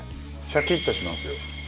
シャキッとしますよ